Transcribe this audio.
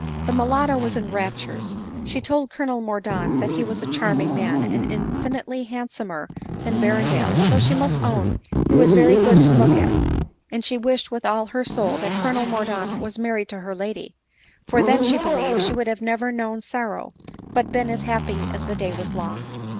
The mulatto was in raptures ;— she told Colonel Mor daunt that he was a charming man, and infinitely hand somer than Berrendale, though she must own he was very good to look at ; and she wished with all her soul that Colonel Mordaunt was married to her lady ; for then she believed she would have never known sorrow, but been as happy as the day was long.